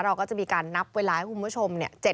เราก็จะมีการนับเวลาให้คุณผู้ชม